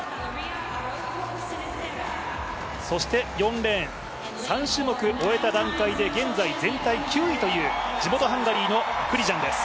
そして４レーン、３種目終えた段階で現在、全体９位という地元ハンガリーのクリジャンです。